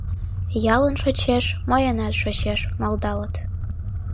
«Ялын шочеш — мыйынат шочеш», — малдалыт.